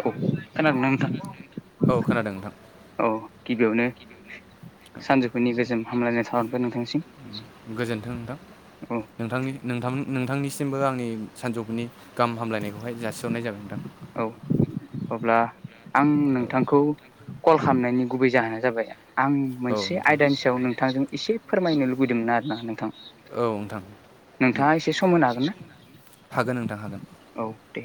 औ खोनादोंना औ नोंथां? खोनादों नोंथां औ गिबियावनो सानजौफुनि गोजोम हामलायनाय थाहरबाय नोंथांसिम। गोजोन्थों नोंथां औ नोंथांनि नोंथां नोंथांनिसिमबो आंनि सानजौफुनि गाहाम हामलायनायखौहाय जासिहरनाय जाबाय नोंथां। औ अब्ला आं औ नोंथांखौ कल खालामनायनि गुबै जाहोना जाबाय। आं औ मोनसे नोंथां आयदानि सायाव नोंथांजों एसे फोरमायनो लुुबैदोंमोन आरोना नोंथां। औ नोंथां नोंथाङा एसे सम होनो हागोन ना? हागोन नोंथां हागोन औ दे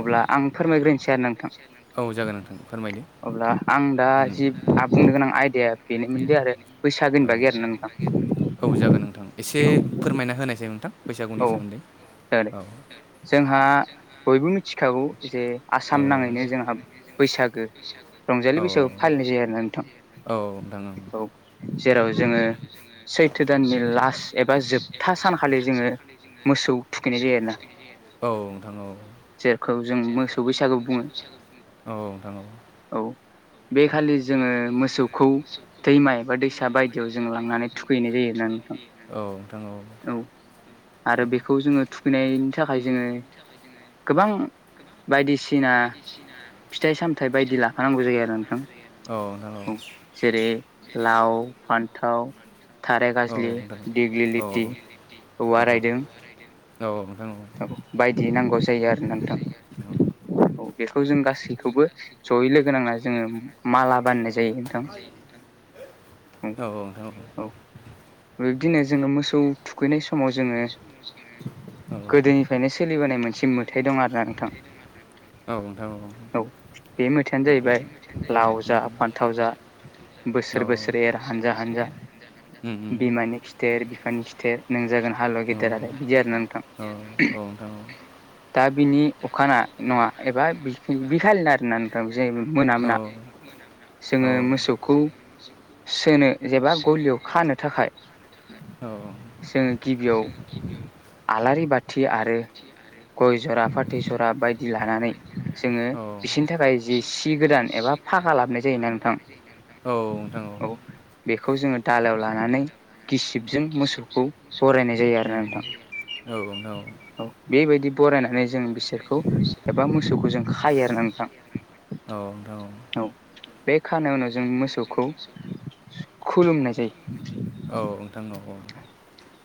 अब्ला आं फोरमायग्रोनोसै आरोना नोंथां। औ जागोन नोंथां फोरमायदो अब्ला आं दा जि आ बुंनो गोनां आयदाया। बेनोमोनदि आरो। बैसागोनि औ बागै आरोना बैसागोनि नोंथां बागै आरो ना नोंथां औ जागोन नोंथां एसे औ फोरमायना होनायसै नोंथां। बैसागुनि औ सोमोन्दै जागोन दे औ। जोंहा बयबो मिथिखागौ जे औ आसाम नाङैनो जोंहा बैसागो रंजालि औ बैसागु फालिनाय जायो आरोना नोंथां नोंथां औ। जेराव जोङो सैथो दाननि लास्ट एबा जोबथा सान खालि जोङो मोसौ थुखैनाय जायो आरोना। औ नोंथां औ। खौ जों मोसौ बैसागु बुङो। औ नोंथां औ। औ बे खालि जोङो मोसौखौ दैमा एबा दैसा बायदियाव जों लांनानै थुखैनाय जायो ना नोंथां। औ नोंथां औ। औ आरो औ बेखौ जोङो थुखैनायनि थाखाय जोङो। गोबां बायदिसिना। फिथाइ सामथायाइ बायदि लाफानांगौ जायो आरो नोंथां। औ नोंथां औ। लाव फान्थाव थाराइ गाजलि दिग्लि नोंथां औ नोंथां औ लिटि। औ औ औ बायदि नांगौ जायो आरोना नोंथां। औ बेखौ जों गासैखौबो जयै लोगो नांना जोङो माला बानायनाय जायो नोंथां। [inaudible] औ औ नोंथां औ। बिब्दिनो जोङो मोसौ थुखैनाय समाव जोङो। औ गोदोनिफ्रायनो सोलिबोनाय मोनसे मोथाय दं आरो ना नोंथां। औ नोंथां औ बे मेथायानो जाहैबाय लाव जा फान्थाव जा बोसोर लावजा फान्थाव बोसोर एर हानजा हानजा। बिमानि खिथेर बिफानि खिथेर नों जागोन हालुवा गेदेर आरो बिदि आरो नोंथां। औ नोंथां औ। दा बिनि अखाना नङा एबा बिखालिनो आरोना नोंथां मोना मोना। बिदिया जोङो आरोना मोसौखौ सोनो जेबा गलियाव खानो थाखाय। नोंथां जोङो गिबियाव आलारि बाथि आरो। गय जरा फाथै जरा बायदि लानानै जोङो दा बिनि खाना खुना एबा बे बिसोरनि थाखाय जि सि गोदान एबा फागा लाबनाय जायोना नोंथां। औ बेखौ जोङो दालायाव लानानै। गिसिबजों मोसौखौ बरायनाय जायो आरोना नोंथां। औ नोंथां औ। औ बेबायदि ब'रायनानै जों बिसोरखौ एबा मोसौखौ जों खायो आरो ना नोंथां। [inaudible] औ नोंथां औ। बे खानाय उनाव जों मोसौखौ खुलुमनाय जायो। नोंथां औ एक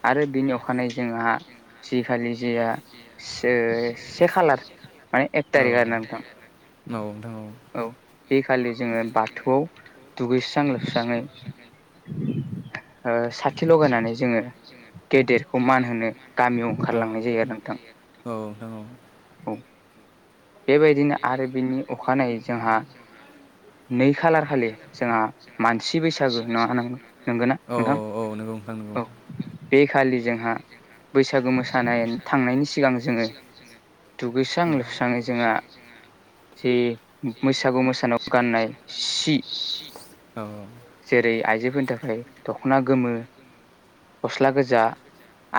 आरो बेनि अखानायै जोंहा जि खालि जिया सो से खालार माने एक थारिख तारिख आरोना नोंथां। औ बेखालि जोङो बाथौआव दुगैस्रां लोबस्राङै ओ साथि लगायनानै जोङो गेदेरखौ मान होनो गामियाव ओंखारलांनाय जायो आरोना नोंथां औ। बेबायदिनो आरो बिनि अखानायै जोंहा नै खालार खालि जोंहा मानसि बैसागो नङा नं नंगौना औ नोंथां? औ नोंथां औ बे खालि जोंहा बैसागु मोसानाय थांनायनि सिगां जोङो दुगैस्रां लोबस्रां थाङो जोंहा जे बैसागु मोसानायाव गाननाय सि औ जेरै आइजोफोरनि थाखाय दख'ना गोमो गस्ला गोजा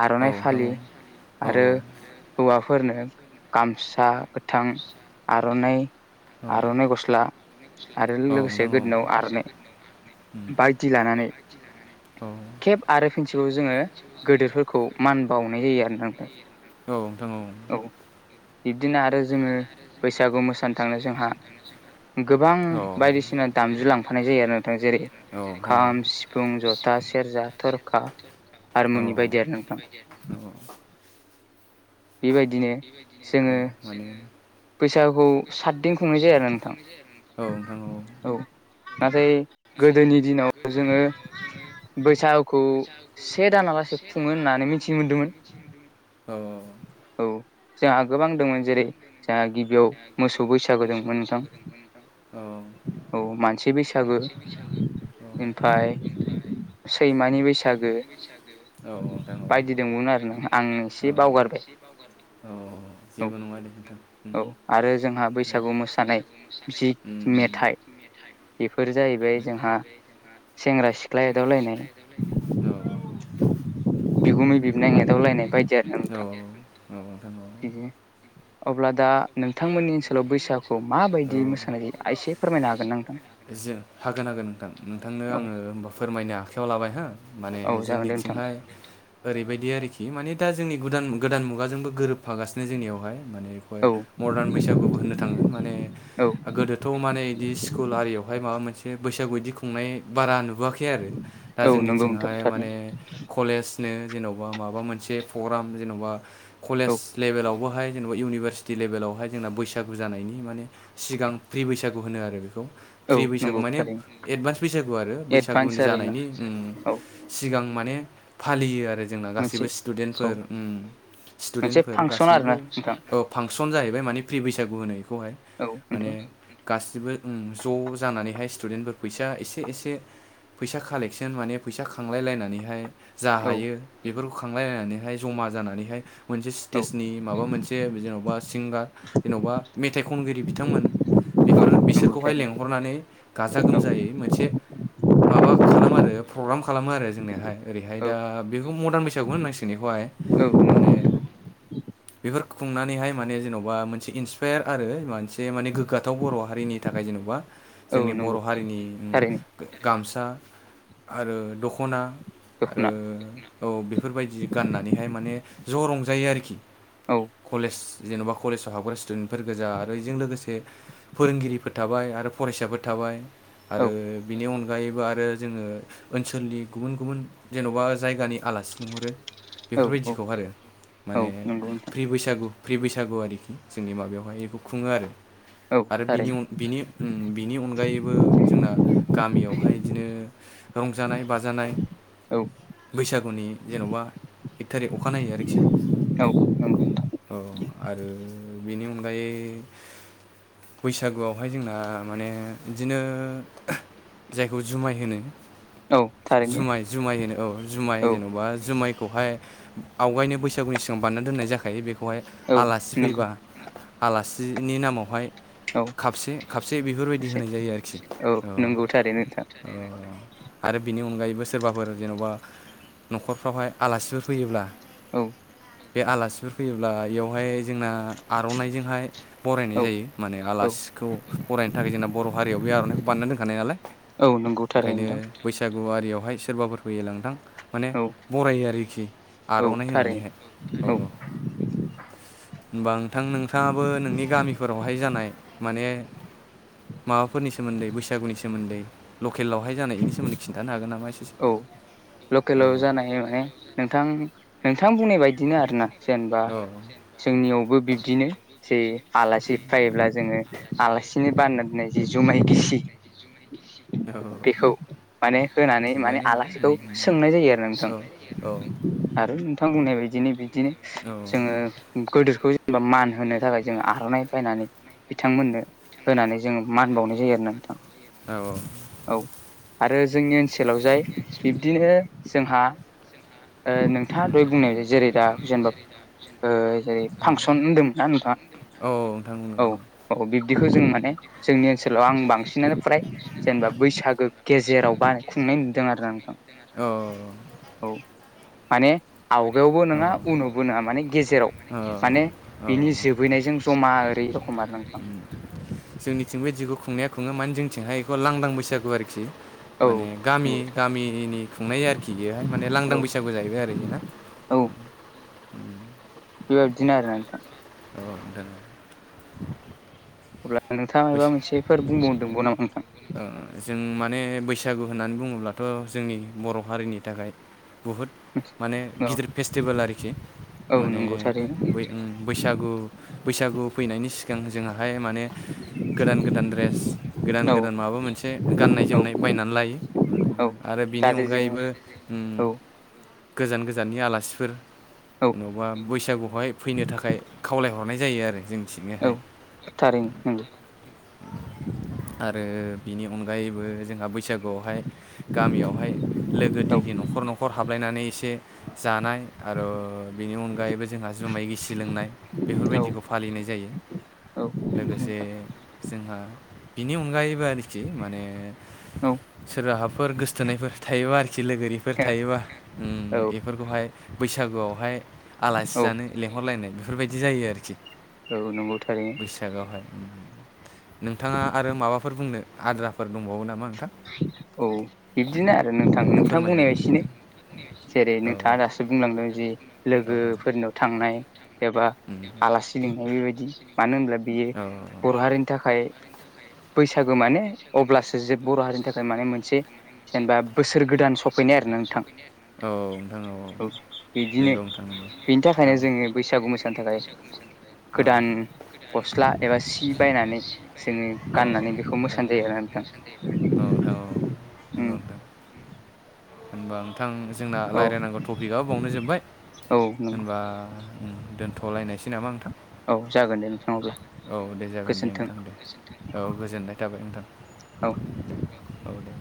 आर'नाइ फालि औ आरो औ। हौवाफोरनो गामसा गोथां आर'नाइ आर'नाइ ग'स्ला आरो औ लोगोसे नंगौ गोदनायाव आर'नाइ बायदि लानानै केेब आरो फिनसेबाव जोङो गोदेरफोरखौ मान बाउनाय जायो आरोना नोंथां। नोंथां नंगौ औ बिब्दिनो आरो जोङो बैसागु मोसानो थांनो जोंहा गोबां औ नोंथां औ नोंथां औ उम औ नोंथां औ बायदिसिना दामजु लांफानाय जायो आरोना। जेरै आरो खाम, सिफुं, जथा, सेरजा, थरखा। औ हारमुनि बायदि आरो नोंथां। औ बेबायदिनो जोङो औ माने बैसागुखौ सातदिन खुंनाय जायो आरो नोंथां। औ नोंथां औ। नाथाय गोदोनि दिनाव जोङो बैसागुखौ से दानालासे खुङो होननानै मिथिनो मोनदोंमोन। औ औ। औ जोंहा गोबां दंमोन जेरै जोहा गिब बेयाव मोसौ बैसागो दंमोन नोंथां औ औ मानसि बैसागो। औ औ ओमफाय सैमानि बैसागो औ औ नोंथां औ बायदि दंमोन आरोना आं एसे बावगारबाय। औ औ जेबो नङा दे नोंथां। औ आरो जोंहा औ आरो बैसागु जोंहा मोसानाय बैसागु मोसानाय जि जि मेथाइ मेथाइ बेफोर जाहैबाय बेफोर जोंहा जाहैबाय जोंहा सेंग्रा सिख्ला सेंग्रा एदावलायनाय सिख्ला एदावलायनाय। बिगुमै बिबोनां एदावलायनाय बायदि आरो ना औ नोंथां औ औ नोंथां औ बिदिनो अब्ला दा नोंथांमोननि ओनसोलाव बैसागुआव औ माबायदि मोसानाय जायो आयसे फोरमायनो हागोन ना नोंथां? जों हागोन हागोन नोंथां नोंथांनो औ आङो होमबा फोरमायनो आखायाव लाबाय हो माने औ जागोन दे नोंथां जोंनिथिंहाय ओरैबायदि आरोखि माने दा जोंनि गुदान गोदान मुगाजोंबो गोरोबफागासिनो जोंनियावहाय माने बेखौहाय औ मदार्न बैसागुबो होननो थाङो माने औ गोदोथ' माने इदि स्कुल आरियावहाय माबा मोनसे बैसागु इदि खुंनाय बारा नुबोवाखै आरो दा औ नंगौ नोंथां जोंनिथिंहाय माने थारैनो कलेज नो जेन'बा माबा मोनसे प्रग्राम जेन'बा औ कलेज लेभेलावबोहाय जेनेबा इउनिभारसिटि लेभेलावहाय जोंना बैसागु जानायनि माने सिगां प्रि बैसागु होनो आरो बेखौ औ प्रि बैसागु नंगौ माने थारैनो एडभान्स बैसागु आरो एडभान्स बैसागुनि आरोना जानायनि उम औ सिगां माने फालियो आर जोंना मोनसे गासैबो स्टुदेन्टफोर औ उम मोनसे स्टुदेन्टफोर फांसन गासैबो आरोना नोंथां औ फांसन जाहैबाय माने प्रि बैसागु होनो इखौहाय। औ माने नोंथां गासिबो उम ज' जानानैहाय स्टुडेन्टफोर फैसा एसे एसे फैसा कालेकसन माने फैसा खांलाय लायनानैहाय जा औ हायो बेफोरखौ खांलायलायनानैहाय जमा जानानैहाय मोनसे औ स्टेजनि माबा मोन से जेन'बा सिंगा जेन'बा मेथाइ खनगिरि बिथांमोन औ बेफोरो नंगौ बिसोरखौहाय थारैनो लेंहरनानै गाजा औ गोमजायै मोनसे माबा खालामो आरो प्रग्राम खालामो आरो जोंनेहाय ओरैहाय औ दा बेखौ मदार्न बैसागुखौनो होननांसिगोन इखौहाय। औ नंगौ माने नोंथां। बेफोर खुंनानैहाय माने जेन'बा मोनसे इन्सपायार आरो मोनसे माने गोग्गाथाव बर' हारिनि थाखाय जेन'बा औ जोंनि नंगौ बर' हारिनि थारैनो गामसा आरो दख'ना दख'ना आरो औ बेफोरबायदि गाननानैहाय माने ज' रंजायो आरोखि औ कलेस जेन'बा कलेजाव हाबग्रा स्टुडेन्टफोर गोजा आरो बेजों लोगोसे फोरोंगिरिफोर थाबाय आरो फरायसाफोर थाबाय औ आरो बिनि अन गायैबो आरो जोङो ओनसोलनि गुबुन गुबुन जेनबा जायगानि आलासि लिंहरो। औ बेफोर औ बायदिखौ आरो औ माने नंगौ नोंथां फ्रि बैसागु फ्रि बैसागु आरोखि जोंनि माबायाव हाय इखौ खुङो आरो। औ आरो बिनि थारैनो अ बिनि उम बिनि अनगायैबो जोंना गामियाव हाय इदिनो रंजानाय बाजानाय औ बैसागुनि जेनबा एक थारिख अखानायै आरोखि औ नंगौ औ आरो बिनि अनगायै बैसागुयाव हाय जोंना माने इदिनो [unintelligible] जायखौ जुमाय होनो नोंथां। औ थारैनो जुमाय जुमाय होनो औ जुमाय औ जेनेबा जुमाय खौहाय आवगायनो बैसागुनि सिगां बाननो दोननाय जाखायो बेखौ हाय औ आलासि नंगौ फैबा आलासिनि नामाव हाय औ खापसे खापसे बेफोर बायदि एसे होनाय जायो आरोखि औ ओ नंगौ थारैनो नोंथां ओ। आरो बिनि अनगायैबो सोरबाफोर जेनबा नखरफ्राव हाय आलासिफोर फैयोब्ला औ। बे आलासिफोर ब्ला इयाव हाय जोंना आरनाइजों हाय बरायनाय औ जायो माने औ आलासिखौ बरायनो था थाखाय जोंना बर हारियाव बे आरनाइखौ बानना दोनखानाय नालाय औ नंगौ थारैनो ओंखायनो नोंथां बैसाग गु आरियाव हाय सोरबाफोरखौ फैयोला नोंथां माने औ बरायो आरोखि औ आरनाइ होनानै थारैनो हाय औ औऔ। होमबा नोंथां नोंथाङाबो नोंनि गामिफोराव हाय जानाय माने माबाफोरनि सोमोन्दै बैसागुनि सोमोन्दै ल केलावाय जानायनि सोमोनन्दै खिन्थानो होगोन नामा इसे औ लकेलाव जानाय माने नोंथां नोंथां बुंनाय बायदिनो आरोना जेनबा जोंनियावबो बिब्दिनो जे आलासि फैब्ला जोङो आलासिनो बानना दोननाय जि जुमाय गिसि औ बेखौ माने होनानै माने थिगानो दं आलासिखौ नोंनि सोंनाय जायो आरो नोंथां। औ आरो नोंथां बुंनाय बायदिनो बिदिनो औ जोङो गोदोरखौ जेनेबा मान होनो थाखाय जोङो आरनाइ बायनानै बिथांमोननो होनानै जोङो मान बावनाय जायो आरो ना नोंथां। औ औ। औ आरो जोंनि ओनसोलाव जाय बिब्दिनो जोंहा ओ नोंथाङा उम दहाय बुंनाय जेरै दा जेनबा ओ जेरै औ फांसन होनदों ना नोंथां औ नोंथां बुंदों औ बुंदों औ बि दिखौ जों माने जोंनि ओनसोलाव आं बांसिनानो फ्राय जेनेबा बैसागो गेजेराव बा नाय नुदों आरो नोंथां औ औ माने आवगायावबो नोङा उनावबो नोङा माने गेजेराव ओ माने ओ बिनि जोबहैनायजों जमा ओरै रखम आरो नोंथां जोंनिथिंबो खो खुंनाया खुङो माने जोंथिंजाय इखौ लांदां बैसागु आरोखि औ माने गामि नंगौ गामिनि खुंनाय आरोखि बेहाय माने लांदां औ बैसागु जाहैबाय आरोना। औ बेबायदिनो आरो नोंथां। औ दे अब्ला नोंथाङा माबा मोनसेफोर बुंबावदोंबाव नामा नोंथां [unintelligible] जों मा माने बैसागु होननानै बुङोब्लाथ जोंनि बर हारिनि थाखाय बुहुद माने औ गिदिर फेस्टिवेल आरोखि औ माने नंगौ थारैनो उम बैसा गु बैसागु फैनायनि सिगां जोंहाय माने गोदान गोदान द्रेस गोदान औ गोदान माबा मोनसे गाननाय औ जोमनाय बायनानै लायो। औ आरो बिनि जाहाथे जों अनगायैबो उम औ गोजान गोजाननि आलासिफोर औ जेन'बा बैसागुहाय फैनो थाखाय खावलायहरनाय जायो आरो जों। औ थारैनो नोंगौ। आरो बिनि अनगायैबो जोंहा बैसागुआवहाय गामियावहाय लोगो औ दिगि न'खर न'खर हाबलायनानै एसे जानाय आर' बिनि अनगायैबो जोंहा जुमाय गिसि लोंनाय। औ बेफोरबायदिखौ फालिनाय जायो औ नंगौ लोगोसे नोंथां जोंहा बिनि अनगायैबो आरोखि माने औ। सोरबा हाफोर गोसथोनायफोर थायोबा आरोखि लोगोरिफोर थायोबा उम औ बेफोरखौहाय बैस बैसागुआवहाय आलासि औ जानो लेंहरलायनाय बि बिदि जायो आरोखि औ नंगौ थारैनो बैसागआव नोंथाङा आरो माबाफोर बुंनो आद्राफोर दंबावो नामा नोंथां। औ बिब्दिनो आरो नोंथां ओरैनो नोंथां फोरमायनो बुंनाय एसेनो। जेरै औ नोंथाङा दासो बुंलांदों जि औ लोगोफोरनाव थांनाय एबा उम आलासि लिंनाय बेबायदि मानो होनब्ला बियो औ बर' हारिनि थाखाय बैसागो माने अब्लासो जोब बर' हारिनि थाखाय माने मोनसे जेनेबा बोसोर गोदान सफैनाय आरो नोंथां। नोंथां औ नोंगौ नोंथां नोंगौ बेनि थाखायनो जोङो बैसागु मोसानो थाखाय औ औ। गोदान गस्ला एबा सि बायनानै जोङो औ गाननानै बेखौ नोंथां मोसानाय जायो आरो ना नोंथां। औ नोंथां औ नोंगौ नोंथां होनबा नोंथां जोंना औ लायरायनांगौ टपिकआ बावनो जोब्बाय औ नंगौ होनबा दोनथ'लायनायसै नामा नोंथां। औ जागोन दे। नोंथां अब्ला औ दे जागोन दे गोजोन्थों नोंथां दे औ गोजोननाय थाबाय औ नोंथां। औ दे।